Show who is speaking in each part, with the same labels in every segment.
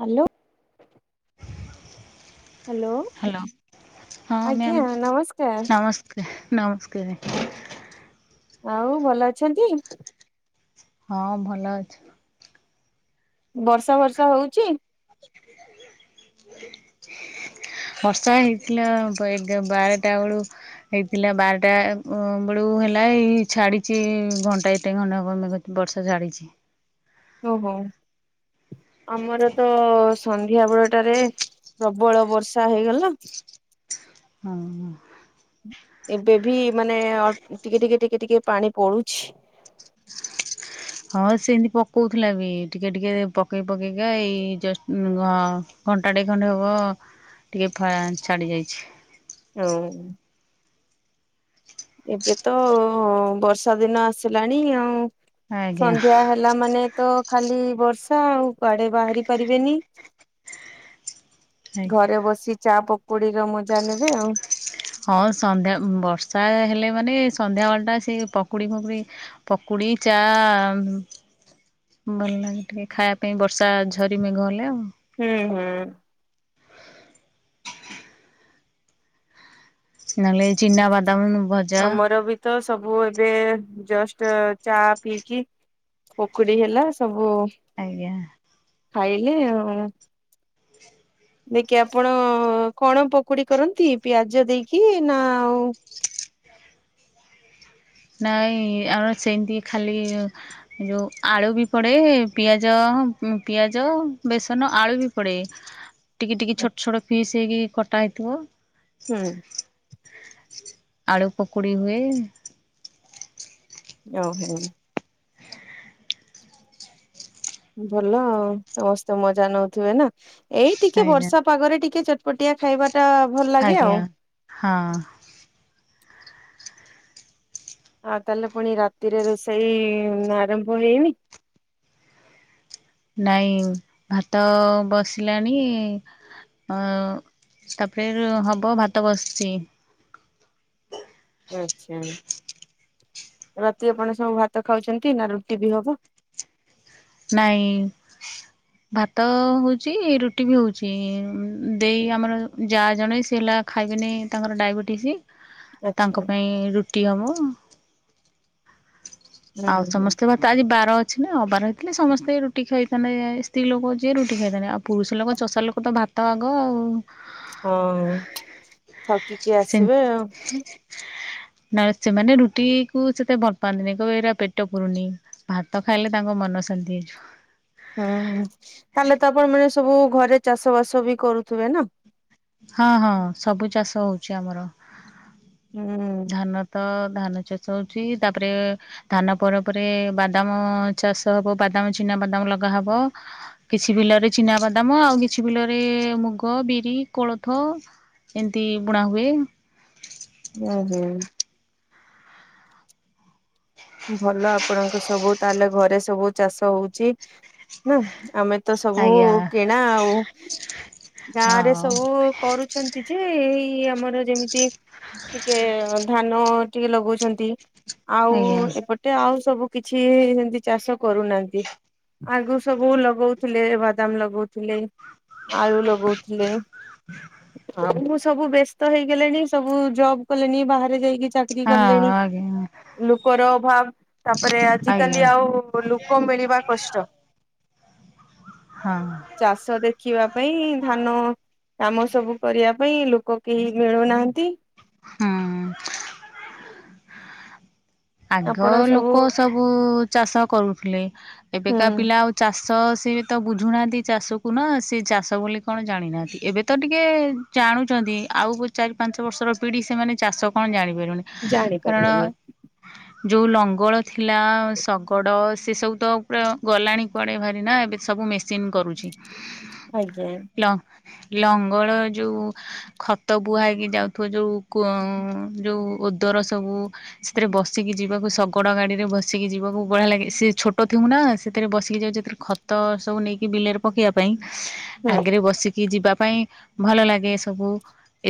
Speaker 1: Hello.
Speaker 2: Hello ହଁ
Speaker 1: ଆଜ୍ଞା
Speaker 2: ma'am
Speaker 1: ନମସ୍କାର
Speaker 2: ନମସ୍ ନମସ୍କାର।
Speaker 1: ଆଉ ଭଲ ଅଛନ୍ତି?
Speaker 2: ହଁ ଭଲ ଅଛି।
Speaker 1: ବର୍ଷା ଫର୍ଷା ହଉଛି?
Speaker 2: ହ [unintelligible]
Speaker 1: [inaudible]
Speaker 2: ବର୍ଷା ହେଇଥିଲା [unintelligible] ବାରଟା ବେଳୁ। ହେଇଥିଲା ବାରଟା ବେଳୁ ହେଲା ଏଇ ଛାଡିଛି ଘଣ୍ଟା ଏତେ ଘଣ୍ଟା କମେ ବର୍ଷା ଛାଡ଼ିଛି।
Speaker 1: ଓହୋ। ଆମର ତ ସନ୍ଧ୍ୟା ବେଳଟାରେ ପ୍ରବଳ ବର୍ଷା ହେଇଗଲା।
Speaker 2: ହଁ।
Speaker 1: ଏବେ ବି ମାନେ ଟିକେ ଟିକେ ଟିକେ ଟିକେ ପାଣି ପଡୁଛି।
Speaker 2: ହଁ ସେମିତି ପକଉଥିଲା ବି ଟିକେ ଟିକେ ପକେଇ ପକେଇକି ଏଇ ଜଷ୍ଟ, ଘଣ୍ଟାଟେ ଖଣ୍ଡେ ହେବ ଟିକିଏ ଛାଡ଼ିଯାଇଛି।
Speaker 1: ଶେଳ ଉ। ଏବେ ତ ବର୍ଷା ଦିନ ଆସିଲାଣି ଆଉ।
Speaker 2: ଆଜ୍ଞା
Speaker 1: ସନ୍ଧ୍ୟା ହେଲା ମାନେ ତ ଖାଲି ବର୍ଷା କୁଆଡେ ବାହାରି ପାରିବେନି।
Speaker 2: ଆଜ୍ଞା।
Speaker 1: ଘରେ ବସି ଚା ପକୋଡିର ମଜା ନେବେ ଆଉ।
Speaker 2: ହଁ ସନ୍ଧ୍ୟା ବର୍ଷା ହେଲେ ମାନେ ସନ୍ଧ୍ୟାବେଳଟା ସେ ପକୁଡ଼ି ଫକୁଡ଼ି ପକୁଡି ଚା ଭଲ ଲାଗେ ଟିକେ ଖାଇବା ପାଇଁ ବର୍ଷା ଝରି ମେଘ ହେଲେ ଆଉ।
Speaker 1: ହୁଁ ହୁଁ।
Speaker 2: ହ [unintelligible] ନହେଲେ ଚିନାବାଦାମ ଭଜ
Speaker 1: ଆମର ବି ତ ସବୁ ଏବେ ଜଷ୍ଟ ଚା ପିଇକି ପକୁଡି ହେଲା ସବୁ
Speaker 2: ଆଜ୍ଞା।
Speaker 1: ଖାଇଲେ ଆଉ ଦେଇକି ଆପଣ କଣ ପକୋଡି କରନ୍ତି ପିଆଜ ଦେଇକି ନା ଆଉ
Speaker 2: ନାଇଁ ଆମ ସେମିତି ଖାଲି ଯୋଭ ଆଳୁ ବି ପଡ଼େ ପିଆଜ ପିଆଜ ବେସନ ଆଳୁ ବି ପଡ଼େ।
Speaker 1: [inaudible]
Speaker 2: ଟିକି ଟିକି ଛୋଟ ଛୋଟ ଫିସ୍ ହେଇକି କଟା ହେଇଥିବ।
Speaker 1: ହୁଁ।
Speaker 2: ଆଳୁ ପକୁଡି ହୁଏ।
Speaker 1: ଓହୋ। ଭଲ ସମସ୍ତେ ମଜା ନଉଥିବେ ନା। ଏଇ ଟିକେ
Speaker 2: ଆଜ୍ଞା
Speaker 1: ବର୍ଷା ପାଗରେ ଟିକେ ଚଟପଟିଆ ଖାଇବା ଟା ଭଲ ଲାଗେ
Speaker 2: ଆଜ୍ଞା
Speaker 1: ଆଉ।
Speaker 2: ହଁ।
Speaker 1: ଆଉ ତାହେଲେ ପୁଣି ରାତିରେ ରୋଷେଇ ଆରମ୍ଭ ହେଇ ଲାଣି?
Speaker 2: ନାଇଁ ଭାତ ବସିଲାଣି ଅ ତାପରେ ହବ ଭାତ ବସିଛି।
Speaker 1: ଆଛା ରାତିରେ ଆପଣ ସବୁ ଭାତ ଖାଉଛନ୍ତି ନା ରୁଟି ବି ହବ।
Speaker 2: ନାଇଁ।
Speaker 1: ହ [unintelligible]
Speaker 2: ଭାତ ହଉଚି ରୁଟି ବି ହଉଛି ଦେଇ ଆମର ଯା ଜଣେ ସେ ହେଲା ଖାଇବେନି ତାଙ୍କର ଡାଇବେଟିସ୍
Speaker 1: ଆଚ୍ଛା।
Speaker 2: ତାଙ୍କ ପାଇଁ ରୁଟି ହବ।
Speaker 1: ହୁଁ
Speaker 2: ଆଉ
Speaker 1: ହୁଁ
Speaker 2: ସମସ୍ତେ ଭାତ୍। ତ ଆଜି ବାର ଅଛି ନା ଅ ବାର ହେଇଥିଲେ ସମସ୍ତେ ରୁଟି ଖାଇଥାନ୍ତେ ସ୍ତ୍ରୀ ଲୋକ ଯିଏ ରୁଟି ଖାଇଥାନ୍ତେ ଆଉ ପୁରୁଷ ଲୋକ ଚଷା ଲୋକ। ତ ଭାତ ଆଗ ଆଉ।
Speaker 1: ହଁ ଥକିକି ଆସିବେ
Speaker 2: ସେମିତି
Speaker 1: ଆଉ।
Speaker 2: ନା ସେମାନେ ରୁଟି କୁ ସେତେ ଭଲ ପାଆନ୍ତିନି କହିବେ ଏରା ପେଟ ପୁରୁନି ଭାତ ଖାଇଲେ ତାଙ୍କ ମନ ଶାନ୍ତି ହେଇଯିବ।
Speaker 1: ହୁଁ ହୁଁ ତାହେଲେ ତ ଆପଣ ମାନେ ସବୁ ଘରେ ଚାଷ ବାସ ବି କରୁଥିବେ ନା।
Speaker 2: ହଁ ହଁ ସବୁ ଚାଷ ହଉଛି ଆମର।
Speaker 1: ହୁଁ।
Speaker 2: ଧାନ ତ ଧାନ ଚାଷ ହଉଛି ତାପରେ ଧାନ ପରେ ପରେ ବାଦାମ ଚାଷ ହବ ବାଦାମ ଚିନାବାଦାମ ଲଗାହବ। କିଛି ବିଲରେ ଚିନାବାଦାମ ଆଉ କିଛି ବିଲରେ ମୁଗ ବିରି କୋଳଥ। ଏମିତି ବୁଣା ହୁଏ।
Speaker 1: ଉହୁଁ। ଭଲ ଆପଣଙ୍କ ସବୁ ତାହେଲେ ଘରେ ସବୁ ଚାଷ ହଉଚି। ନା ଆମେ ତ ସବୁ
Speaker 2: ଆଜ୍ଞା
Speaker 1: କିଣା ଆଉ ଗାଁରେ
Speaker 2: ହଁ।
Speaker 1: ସବୁ କରୁଛନ୍ତି ଯେ ଏଇ ଆମର ଯେମିତି ଟିକେ ଧାନ ଟିକେ ଲଗଉଛନ୍ତି ଆଉ
Speaker 2: ଆଜ୍ଞା
Speaker 1: ଗଟେ ଆଉ ସବୁ କିଛି ଏମିତି ଚାଷ କରୁନାହାନ୍ତି। ଆଗରୁ ସବୁ ଲଗଉଥିଲେ ବାଦାମ ଲଗଉଥିଲେ। ଆଳୁ ଲଗଉଥିଲେ। ଆଉ ମୁଁ ସବୁ ବ୍ୟସ୍ତ ହେଇଗଲିଣି ସବୁ ଜବ୍ କଲେଣି ବାହାରେ ଯାଇକି ଚା କିରି
Speaker 2: ହଁ
Speaker 1: କଲେଣି
Speaker 2: ଆଜ୍ଞା
Speaker 1: ଲୋକର ଅଭାବ ତା ପରେ ଆଜି
Speaker 2: ଆଜ୍ଞା
Speaker 1: କାଲି ଆଉ - ଲୋକ ମିଳିବା କଷ୍ଟ।
Speaker 2: ହଁ।
Speaker 1: ଚାଷ ଦେଖିବା ପାଇଁ ଧାନ କାମ ସବୁ କରିବା ପାଇଁ ଲୋକ କେହି ମିଳୁନାହାଁନ୍ତି।
Speaker 2: ହୁଁ। ଆଗ ଲୋକ ସବୁ ଚାଷ କରୁଥିଲେ
Speaker 1: ହୁଁ
Speaker 2: ଏବେକା ପିଲା ଆ ଚାଷ ସିଏ ବି ତ ବୁଝୁ ନାହାନ୍ତି ଚାଷ କୁ ନା ସିଏ ଚାଷ ବୋଲି କଣ ଜାଣିନାହାନ୍ତି। ଏବେ ତ ଟିକେ ଜାଣୁଛନ୍ତି ଆଉ ଚାରି ପାଞ୍ଚ ବର୍ଷର ପିଢ଼ି ସେମାନେ ଚାଷ କଣ ଜାଣିପାରିବେନି।
Speaker 1: ଜାଣି
Speaker 2: କାରଣ
Speaker 1: ପାରିବେନି।
Speaker 2: ଯୋଉ ଲଙ୍ଗଳ ଥିଲା ଶଗଡ଼ ସେ ସବୁ ତ ପା ଗଲାଣି କୁଆଡେ ଭାରି ନା ଏବେ ସବୁ ମ- ସିନ୍ କରୁଛି।
Speaker 1: ଆଜ୍ଞା।
Speaker 2: ହାଲୋ। ଲଙ୍ଗଳ ଯୋଉ ଖତ ବୁହାଇକି ଯାଉଥିବ ଯୋଉ କଙ୍ ଯୋଉ - ତୋର ସବୁ। ସେଥିରେ ବସିକି ଯିବାକୁ ଶଗଡ଼ ଗାଡ଼ିରେ ବସିକି ଯିବାକୁ ବଢିଆ ଲାଗେ ସେ ଛୋଟ ଥିବଉ ନା ସେଥିରେ ବସିକି ଯାଉ ଯେଥିରେ - ତ ସବୁ ନେଇକି ବିଲରେ ପକେଇବା ପାଇଁ।
Speaker 1: ହୁଁ
Speaker 2: ଆଗରେ ବସିକି ଯିବା ପାଇଁ ଭଲ ଲାଗେ ସବୁ।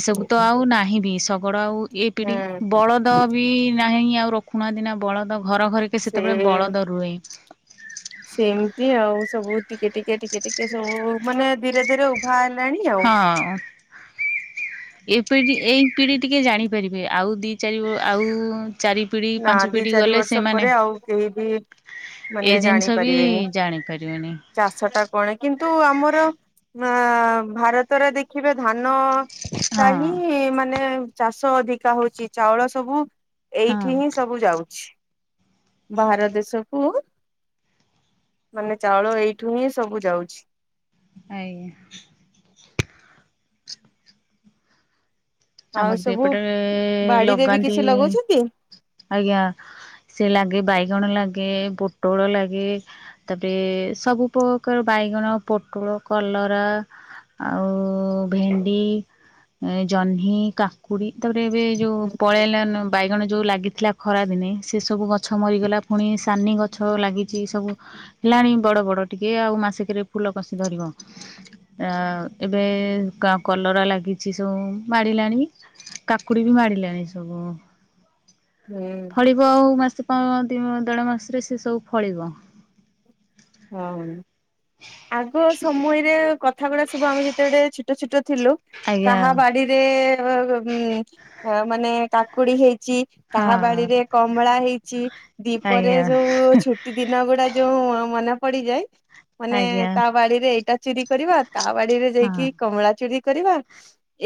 Speaker 2: ଏସବୁ ତ ଆଉ ନାହିଁ ବି ଶଗଡ଼ ଆଉ ଏ
Speaker 1: ହୁଁ।
Speaker 2: ପିଢଠି ବଳଦ ବି- ନାହିଁ ଆଉ ରଖୁନାହାନ୍ତି ନା ବଳଦ ଘର ଘରକି
Speaker 1: ସେ
Speaker 2: ସେତେ ବେଳେ ବଳଦ ରୁହେ।
Speaker 1: ସେମିତି ଆଉ ସବୁ ଟିକେ ଟିକେ ଟିକେ ଟିକେ ସବୁ ମାନେ ଧୀରେ ଧୀରେ ଉଭା ହେଲାଣି ଆଉ।
Speaker 2: ହଁ। ଏ ପିଢି ଏଇ ପିଢି ଟିକେ ଜାଣିପାରିବେ ଆଉ ଦି ଚାରି ଆଉ ଚାରି- ପିଢି
Speaker 1: ନା
Speaker 2: ପାଞ୍ଚ
Speaker 1: ଦି
Speaker 2: ପିଢି
Speaker 1: ଚାରି
Speaker 2: ଗଲେ
Speaker 1: ବର୍ଷ
Speaker 2: ସେମାନେ
Speaker 1: ପରେ ଆଉ କେହି ବି ମାନେ
Speaker 2: ଏଇ ଜିନିଷ ବି
Speaker 1: ଜାଣିପାରିବେନି।
Speaker 2: ଜାଣିପାରିଲେନି।
Speaker 1: ଚାଷ ଟା କଣ କିନ୍ତୁ ଆମର ଆ- ଭାରତରେ ଦେଖିବେ ଧାନ ଟା
Speaker 2: ହଁ
Speaker 1: ହିଁ ମାନେ ଚାଷ ଅଧିକା ହଉଚି ଚାଉଳ ସବୁ
Speaker 2: ହଁ
Speaker 1: ଠି ହିଁ ସବୁ ଯାଉଛି ବାହାର ଦେଶକୁ। ମାନେ ଚାଉଳ ଏଇଠୁ ହିଁ ସବୁ ଯାଉଛି।
Speaker 2: ଆଜ୍ଞା।
Speaker 1: ଆଉ
Speaker 2: ଆମର ବି
Speaker 1: ସବୁ
Speaker 2: ଏପଟେ
Speaker 1: ବାଡିରେ ବି
Speaker 2: ଲଗାନ୍ତି
Speaker 1: କିଛି ଲଗଉଛନ୍ତି?
Speaker 2: ଆଜ୍ଞା। ସେ ଲାଗେ ବାଇଗଣ ଲାଗେ, ପୋଟଳ ଲାଗେ। ତାପରେ ସବୁ ପକାର ବାଇଗଣ, ପୋଟଳ, କଲରା। ଆଉ ଭେଣ୍ଡି ଏ ଜହ୍ନ୍ ହ୍ନି କାକୁଡ଼ି ତାପରେ ଏବେ ଯୋଉ ପଳେଇଲା ନୁ ବାଇଗଣ ଯୋଉ ଲାଗିଥିଲା ଖରା ଦିନେ ସେ ସବୁ ଗ ଛ ମରିଗଲା ଫୁଣି ସାନି ଗଛ ଲାଗିଚି ସବୁ। ହେଲାଣି ବଡ଼ ବଡ଼ ଟିକେ ଆଉ ମାସେକେରେ ଫୁଲ କଷି ଧରିବ। ଆ ଏବେ କା କଲରା ଲାଗିଚି ସଉଁ। ମାଡ଼ିଲାଣି କାକୁଡ଼ି ବି ମାଡ଼ିଲାଣି ସବୁ।
Speaker 1: ହୁଁ।
Speaker 2: ଡିବ ଆଉ ମାସେ ପ ଦି ଦେଢ଼ ମାସରେ ସିଏ ସବୁ ଫଳିବ।
Speaker 1: ହୁଁ ଆଗ ସମୟରେ କଥା ଗୁଡ଼ା ସବୁ ଆମେ ଯେତେଡ଼େ ଛି ଟ ଛୋଟ ଥିଲୁ
Speaker 2: ଆଜ୍ଞା
Speaker 1: କାହା ବାଡି଼ ରେ ଅ ଅ ଉଁ ଅ ମାନେ କାକୁଡ଼ି ହେଇଚି କାହା
Speaker 2: ହଁ
Speaker 1: ବାଡି଼ରେ କମଳା ହେଇଚି ଦିଇପରେ
Speaker 2: ଆଜ୍ଞା
Speaker 1: ଯୋଉ ଛୁଟି ଦିନ ଗୁଡ଼ା ଯୋଉଁ ମନେ ପଡ଼ିଯାଏ ମାନେ
Speaker 2: ଆଜ୍ଞା
Speaker 1: ତା ବାଡ଼ିରେ ଏଇଟା ଚୁରି କରିବା ତା ବାଡ଼ିରେ ଯାଇକି
Speaker 2: ହଁ
Speaker 1: କମଳା ଚୁରି କରିବା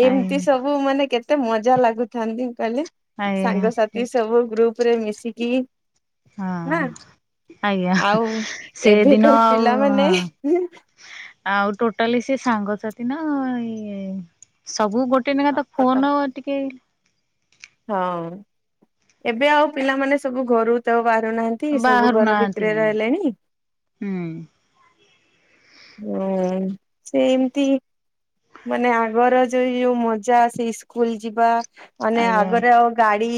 Speaker 1: ଏମତି
Speaker 2: ଆଜ୍ଞା
Speaker 1: ସବୁ ମାନେ କେତେ ମଜା ଲାଗୁ ଥାନ୍ତି କଇଲେ
Speaker 2: ଆଜ୍ଞା
Speaker 1: ସାଙ୍ଗସାଥି ସବୁ ଗ୍ରୁପ୍ ରେ ମିଶିକି ନା
Speaker 2: ହଁ ଆଜ୍ଞା
Speaker 1: ଆଉ
Speaker 2: ସେଦିନ
Speaker 1: ଏବେକାର
Speaker 2: ଆଉ
Speaker 1: ପିଲାମାନେ
Speaker 2: ଆଉ ଟୋଟାଲି ସେ ସାଙ୍ଗସାଥି ନାଁ ଇଏ ସବୁ ଗୋ କେ ନେଖା ତ ଫୋନ ଟିକେ
Speaker 1: ହଁ ଏବେ ଆଉ ପିଲାମାନେ ସବୁ ଘରୁ ତ ବାହାରୁନାହାଁ ତି ସବୁ
Speaker 2: ବାହାରୁ
Speaker 1: ଘର
Speaker 2: ନାହାନ୍ତି
Speaker 1: ଭିତରେ ରହିଲେଣି।
Speaker 2: ହୁଁ।
Speaker 1: ହୁଁ ସେମତି ମାନେ ଆଗର ଯୋ ଏ ଯୋଉ ମଜା ଅସେ ସ୍କୁଲ ଯିବା ମାନେ
Speaker 2: ଆଜ୍ଞା
Speaker 1: ଆଗରେ ଆଉ ଗାଡ଼ି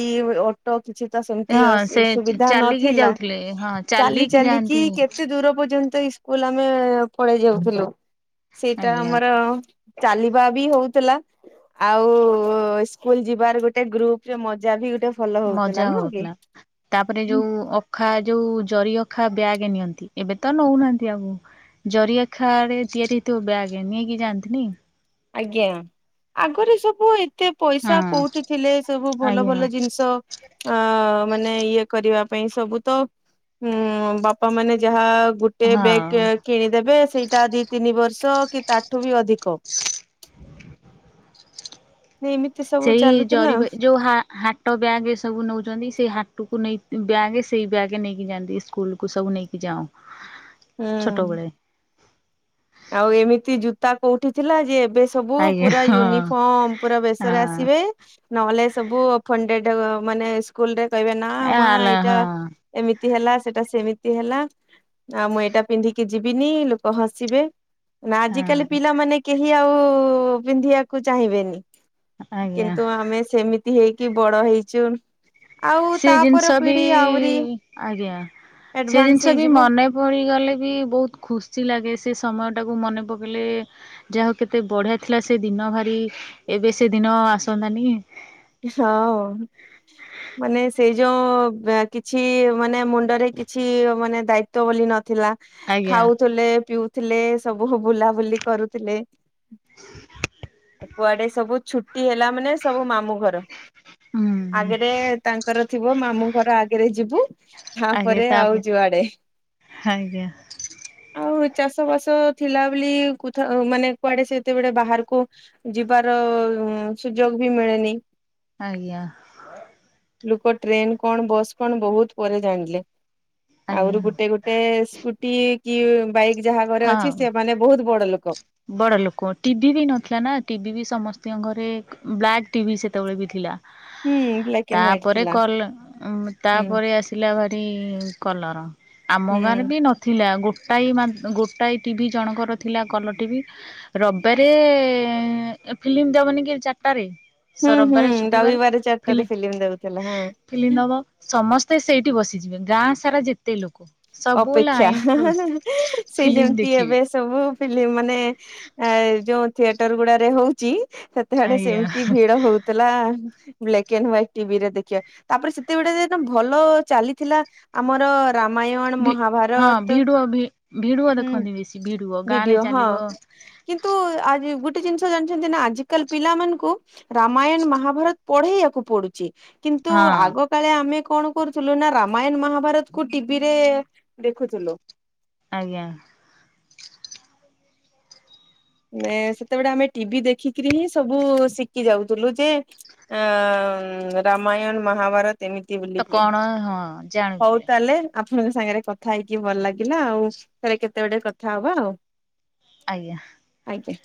Speaker 1: ଅ ଟ କିଛି ତ ସେମତି ଅ
Speaker 2: ହଁ ସେ
Speaker 1: ସୁ ସୁବିଧା
Speaker 2: ଚାଲିକି
Speaker 1: ନଥିଲା
Speaker 2: ଯାଉଥିଲେ ହଁ
Speaker 1: ଚାଲି ଚାଲିକି
Speaker 2: ଯାଆନ୍ତି
Speaker 1: କେ ତେ ଦୂର ପର୍ଯ୍ୟନ୍ତ ଇସ୍କୁଲ୍ ଆମେ ପଳେଇ ଯାଉଥୁଲୁ ସେଇଟା
Speaker 2: ଆଜ୍ଞା
Speaker 1: ଆମର ଚାଲିବା ବି ହଉଥୁଲା। ଆଉ ସ୍କୁଲ୍ ଯିବାର ଗୋଟେ ଗ୍ରୁପ୍ ରେ ମଜା ବି ଗୋଟେ ଭଲ
Speaker 2: ମଜା
Speaker 1: ହଉଥୁଲା, ନୁହଁ କି?
Speaker 2: ହଉଥିଲା। ତାପରେ ଯୋଉ ଅଖା ଯୋଉ ଜରି ଅଖା ବ୍ୟାଗେ ନିଅନ୍ତି ଏବେ ତ ନଉନାହାନ୍ତି ଆଉ। ଜରି ଅଖାରେ ତିଆରି ହେଇଥିବ ବ୍ୟାଗେ ନେଇକି ଯାଆନ୍ତିନେଇ?
Speaker 1: ଆଜ୍ଞା ଆଗରେ ସବୁ ଏତେ ପଇସା
Speaker 2: ହଁ
Speaker 1: କୋଉଠି ଥିଲେ ସବୁ ଭଲ
Speaker 2: ଆଜ୍ଞା
Speaker 1: ଭଲ ଜିନିଷ ଅ ମାନେ ଇଏ କରିବା ପାଇଁ ସବୁ ତ ହୁଁ ବାପା ମାନେ ଯାହା ଗୋ ଟେ ବେକେ
Speaker 2: ହଁ
Speaker 1: କିଣି ଦେବେ ସେଇଟା ଦି ତିନି ବର୍ଷ କି ତାଠୁ ବି ଅଧିକ ନି ଇମିତି ସ
Speaker 2: ସେଇ ଜରି ପାଇ ଯୋଉ ହା ହା ଟ ବ୍ୟାଗେ ଏ ସବୁ ନଉଚନ୍ତି ସେଇ ହାଟୁକୁ ନେଇ ବ୍ୟାଗେ ସେଇ ବ୍ୟାଗେ ନେଇକି ଯାଆନ୍ତି ଇସ୍କୁଲକୁ ସବୁ ନେଇକି ଯାଉଁ।
Speaker 1: ହୁଁ।
Speaker 2: ଛୋଟବେଳେ।
Speaker 1: ଆଉ ଏମିତି ଜୁତା କଉଠି ଥିଲା ଯେ ଏବେ ସବୁ
Speaker 2: ଆଜ୍ଞା
Speaker 1: ପୁରା
Speaker 2: ହଁ
Speaker 1: ୟୁନିଫର୍ମ ପୁରା ବେଶରେ
Speaker 2: ହଁ
Speaker 1: ଆସିବେ। ନହେଲେ ସବୁ ମାନେ ଅଫଣ୍ଡେଡ ସ୍କୁଲରେ କହିବେ ନା ମା
Speaker 2: ଆଲା
Speaker 1: ଏଇଟା
Speaker 2: ହଁ
Speaker 1: ଏମିତି ହେଲା ସେଟା ସେମିତି ହେଲା ଆଉ ମୁଁ ଏଇଟା ପିନ୍ଧିକି ଯିବିନି ଲୋକ ହସିବେ। ନା ଆଜିିକାଲି
Speaker 2: ହଁ
Speaker 1: ପିଲାମାନେ କେହି ଆଉ ପିନ୍ଧିବାକୁ ଚାହିଁବେନି।
Speaker 2: ଆଜ୍ଞା
Speaker 1: କିନ୍ତୁ ଆମେ ସେମିତି ହେଇକି ବଡ ହେଇଛୁ। ଆଉ
Speaker 2: ସେ
Speaker 1: ତାପର
Speaker 2: ଜିନିଷ ବି
Speaker 1: ପିଢି ଆହୁରି
Speaker 2: ଆଜ୍ଞା ସେ
Speaker 1: ଆଡଭାନ୍ସ
Speaker 2: ଜିନିଷ ବି
Speaker 1: ହେଇଯିବ
Speaker 2: ମନେ ପଡି ଗଲେ ବି ବହୁତ ଖୁସି ଲାଗେ ସେ ସମୟ ଟାକୁ ମନେ ପକେଇଲେ ଯାହା ହଉ କେତେ ବଢ଼ିଆ ଥିଲା ସେ ଦିନ ଭାରି ଏବେ ସେ ଦିନ ଆସନ୍ତାନି।
Speaker 1: ହଁ ମାନେ ସେଇ ଯୋଉ କିଛି ମାନେ ମୁଣ୍ଡରେ କିଛି ମାନେ ଦାୟିତ୍ୱ ବୋଲି ନଥିଲା
Speaker 2: ଆଜ୍ଞା
Speaker 1: ଖାଉ ଥିଲେ ପିଉଥିଲେ ସବୁ ବୁଲାବୁଲି କରୁଥିଲେ। କୁଆଡେ ସବୁ ଛୁଟି ହେଲା ମାନେ ସବୁ ମାମୁଁ ଘର।
Speaker 2: ହୁଁ
Speaker 1: ଆଗରେ ତାଙ୍କର ଥିବ ମାମୁଁ ଘର ଆଗରେ ଯିବୁ। ତାପରେ ଆଉ ଯୁଆଡେ।
Speaker 2: ହାଜ୍ଞା।
Speaker 1: ଆଉ ଚାଷ ବାସ ଥିଲା ବୋଲି କୁଥା ମାନେ କୁଆଡେ ସେତେବେଳେ ବାହାରକୁ ଯିବାର ସୁଯୋଗ ବି ମିଳେନି।
Speaker 2: ଆଜ୍ଞା।
Speaker 1: ଲୁକ ଟ୍ରେନ୍ କଣ ବସ୍ କଣ ବହୁତ ପରେ ଜାଣିଲେ
Speaker 2: ଆଜ୍ଞା
Speaker 1: ଆହୁରି ଗୋଟେ ଗୋଟେ ଟେ ସ୍କୁଟି କି ବାଇକ୍ ଯାହା ଘରେ ଅଛି ସେମାନେ ବହୁତ ବଡ ଲୋକ।
Speaker 2: ବଡ଼ ଲୋକ ଟିଭି ବି ନଥିଲା ନା ଟିଭି ବି ସମସ୍ତଙ୍କ ଘରେ ବ୍ଲାକ୍ ଟିଭି ସେତବଳେ ବି ଥିଲା।
Speaker 1: ହୁଁ ବ୍ଲାକ୍
Speaker 2: ତା
Speaker 1: ଆଣ୍ଡ ହ୍ୱାଇଟ
Speaker 2: ପରେ
Speaker 1: ଥିଲା
Speaker 2: କଲ
Speaker 1: ହୁଁ
Speaker 2: ତାପରେ ଆସି ଆସିଲା ଭାରି କଲର ଆମ ଗାଁ ରେ
Speaker 1: ହୁଁ
Speaker 2: ବି ନ ଥିଲା ଗୋଟାଏ ମା ଗୋଟାଏ ଟିଭି ଜଣଙ୍କର ଥିଲା କଲର ଟିଭି ରବିବାରେ ଫିଲ୍ମ ଦବନି କି ଚାରିଟାରେ।
Speaker 1: ହୁଁ
Speaker 2: ସ
Speaker 1: ହୁଁ
Speaker 2: ରବିବାର ଛୁଟିବାର
Speaker 1: ରବିବାର ଚାରିଟାରେ ଫିଲ୍ମ ଦଉଥିଲା
Speaker 2: ଫିଲ୍ମଫିଲ୍ମ
Speaker 1: ହଁ
Speaker 2: ଦବ। ସମସ୍ତେ ସେଇଠି ବସିଯିବେ ଗାଁ ସାରା ଯେତେ ଲୋକ। ସବୁ
Speaker 1: ଅପେକ୍ଷା
Speaker 2: ଲାଇନ
Speaker 1: ସେ
Speaker 2: ଫିଲ୍ମ
Speaker 1: ଯେମିତି
Speaker 2: ଦେଖିବେ
Speaker 1: ଏବେ ସବୁ ଫିଲ୍ମ ମାନେ ଏ ଯୋଉ ଥିଏଟର ଗୁଡାରେ ହଉଛି। ସେତେବେଲେ
Speaker 2: ଆଜ୍ଞା।
Speaker 1: ସେମିତି ଭିଡ ହଉଥିଲା। ବ୍ଲେକ୍ ଆଣ୍ଡ ୱାଇଟ୍ ଟିଭିରେ ଦେଖିବା ତାପରେ ସେତେବେଲେ ଭଲ ଚାଲିଥିଲା ଆମର ରାମାୟଣ
Speaker 2: ଭି
Speaker 1: ମହାଭାରତ ହୁଁ।
Speaker 2: ବିସି ବିଡୁଅ।
Speaker 1: ବିଡିଓ ହଁ। କିନ୍ତୁଆ ଗୋଟେ ଜିନିଷ ଜାଣିଛନ୍ତି ନା ଆଜିିକାଲି ପିଲା ମାନଙ୍କୁ ରାମାୟଣ ମହାଭାରତ ପଢେଇଆକୁ ପଡୁଛି କିନ୍ତୁ
Speaker 2: ହଁ
Speaker 1: ଆଗ କାଳେ ଆମେ କଣ କରୁଥିଲୁ ନା ରାମାୟଣ ମହାଭାରତକୁୁ ଟିଭିରେ ଦେଖୁଥିଲୁ।
Speaker 2: ଆଜ୍ଞା।
Speaker 1: ମେ ସେତେବେଳେ ଆମେ ଟିଭି ଦେଖିକିରି ହିଁ ସବୁ ଶିକି ଯାଉଥିଲୁ ଯେ ଆ ରାମାୟଣ, ମହାଭାରତ। ସେମିତି
Speaker 2: ତ
Speaker 1: ବୁଲିକି
Speaker 2: କଣ ହଁ
Speaker 1: ହଉ
Speaker 2: ଜାଣୁଥିଲେ
Speaker 1: ତାହେଲେ। ଆପଣଙ୍କ ସାଙ୍ଗରେ କଥା ହେଇକି ଭଲ ଲାଗିଲା ଆଉ ଥରେ କେତେ ବେଳେ କଥା ହବା ଆଉ।
Speaker 2: ଆଜ୍ଞା।
Speaker 1: ଆଜ୍ଞା।